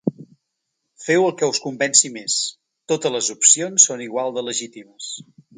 Feu el que us convenci més: totes les opcions són igual de legítimes.